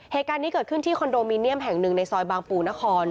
เหตุการณ์นี้เกิดขึ้นที่คอนโดมิเนียมแห่งหนึ่งในซอยบางปูนคร